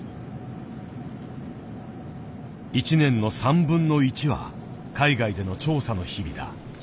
１年の３分の１は海外での調査の日々だ。